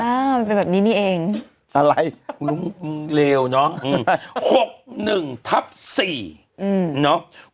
อ้าวมันเป็นแบบนี้นี่เองอะไรเรียวเนอะอืมหกหนึ่งทับสี่อืมเนอะ